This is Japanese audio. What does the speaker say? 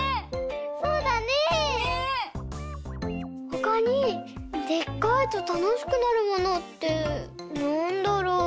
ほかにでっかいとたのしくなるものってなんだろう？